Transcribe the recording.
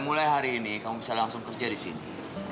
dan mulai hari ini kamu bisa langsung kerja disini